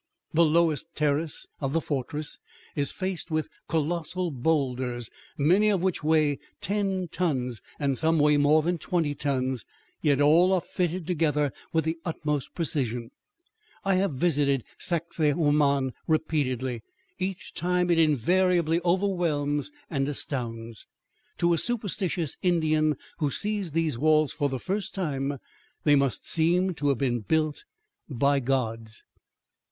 The lowest terrace of the "fortress" is faced with colossal boulders, many of which weigh ten tons and some weigh more than twenty tons, yet all are fitted together with the utmost precision. I have visited Sacsahuaman repeatedly. Each time it invariably overwhelms and astounds. To a superstitious Indian who sees these walls for the first time, they must seem to have been built by gods.